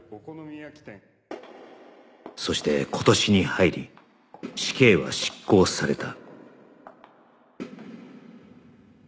そして今年に入り死刑は執行された